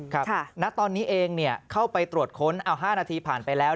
ครับณตอนนี้เองเข้าไปตรวจค้นเอา๕นาทีผ่านไปแล้ว